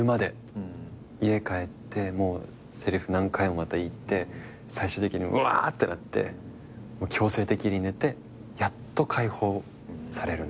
家帰ってせりふ何回もまた言って最終的にうわってなって強制的に寝てやっと解放される。